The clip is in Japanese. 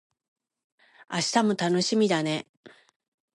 明日も楽しみだね